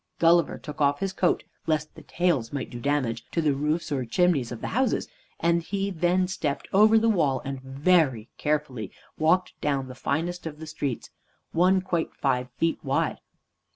Gulliver took off his coat, lest the tails might do damage to the roofs or chimneys of the houses, and he then stepped over the wall and very carefully walked down the finest of the streets, one quite five feet wide.